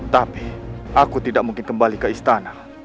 tapi aku tidak mungkin kembali ke istana